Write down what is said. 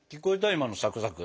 今のサクサク。